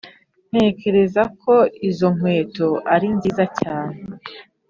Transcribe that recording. ntekereza ko izo nkweto ari nziza cyane.